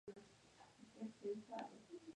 Shore fue criado en la tradición judía.